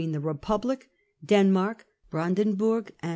UC ' the Republic, Denmark, Brandenburg, and 1666.